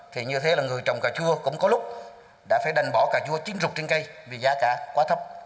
thì như thế là người trồng cà chua cũng có lúc đã phải đành bỏ cà chua chín mươi trên cây vì giá cả quá thấp